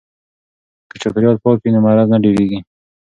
که چاپیریال پاک وي نو مرض نه ډیریږي.